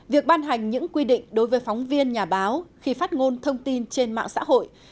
việc ban hành những quy định đối với phóng viên nhà báo khi phát ngôn thông tin trên mạng xã hội